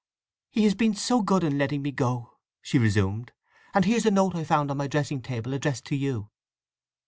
"He has been so good in letting me go," she resumed. "And here's a note I found on my dressing table, addressed to you."